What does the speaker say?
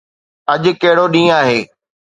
اڄ ڪهڙو ڏينهن آهي؟